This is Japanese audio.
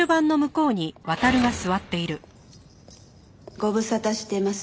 ご無沙汰してます。